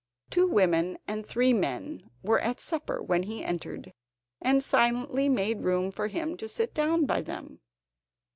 Two women and three men were at supper when he entered, and silently made room for him to sit down by them.